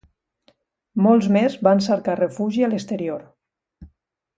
Molts més van cercar refugi a l'exterior.